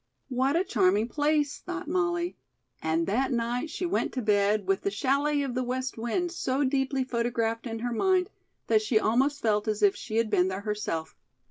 "What a charming place!" thought Molly, and that night she went to bed with the "Chalet of the West Wind" so deeply photographed in her mind that she almost felt as if she had been there herself.